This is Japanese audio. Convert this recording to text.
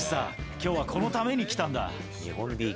きょうはこのために来たんだ。